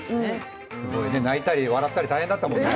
泣いたり、笑ったり大変だったもんね。